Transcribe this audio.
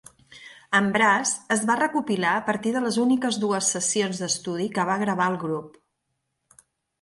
Embrace es va recopilar a partir de les úniques dues sessions d'estudi que va gravar el grup.